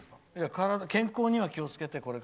健康には気をつけて。